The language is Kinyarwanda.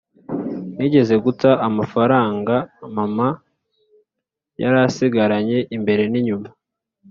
Nigeze guta amafaranga mama yarasigaranye imbere n’inyuma